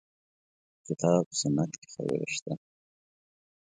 کتاب سنت کې خبرې شته.